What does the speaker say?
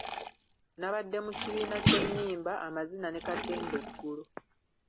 Nabadde mu kibiina ky'ennyimba, amazina ne katemba eggulo.